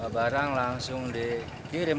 barang langsung dikirim